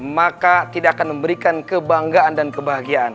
maka tidak akan memberikan kebanggaan dan kebahagiaan